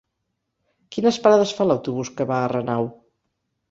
Quines parades fa l'autobús que va a Renau?